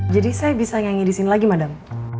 jadi saya bisa nyanyi di sini lagi madam